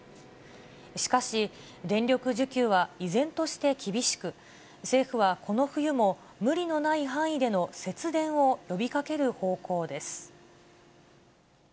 しかし、電力需給は依然として厳しく、政府はこの冬も、無理のない範囲での節電を呼びかける方向です。